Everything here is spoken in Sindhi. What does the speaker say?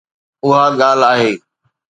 اها ڳالهه آهي.